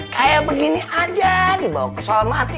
kayak begini aja dibawa ke soal mati